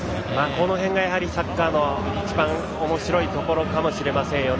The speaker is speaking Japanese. この辺がサッカーの一番おもしろいところかもしれませんよね。